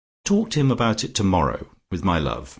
Talk to him about it tomorrow with my love.